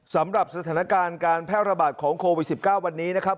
สำหรับสถานการณ์การแพร่ระบาดของโควิด๑๙วันนี้นะครับ